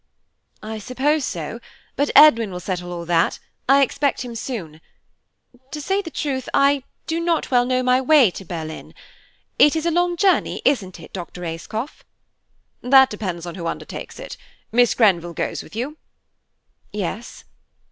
"I suppose so; but Edwin will settle all that–I expect him soon. To say the truth, I do not well know my way to Berlin. It is a long journey, isn't it, Dr. Ayscough?" "That depends upon who undertakes it. Miss Grenville goes with you?" "Yes."